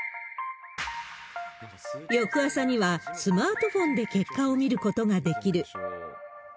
翌朝には、スマートフォンで結果を見ることができる。